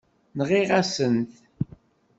Nɣiɣ-asen-t.